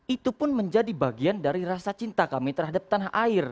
itu pun menjadi bagian dari rasa cinta kami terhadap tanah air